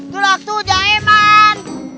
dur waktu jaeman